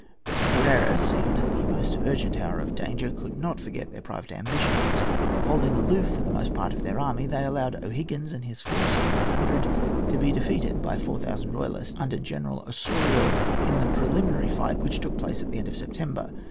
But the Carreras, even in the most urgent hour of danger, could not forget their private ambitions. Holding aloof with their part of the army, they allowed O'Higgins and his force of nine hundred to be defeated by four thousand royalists under General Osorio, in the preliminary fight which took place at the end of September.